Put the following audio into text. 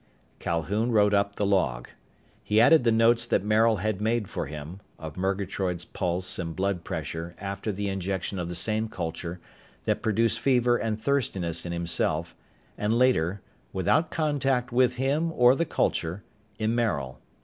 Calhoun wrote up the log. He added the notes that Maril had made for him, of Murgatroyd's pulse and blood pressure after the injection of the same culture that produced fever and thirstiness in himself and later, without contact with him or the culture, in Maril.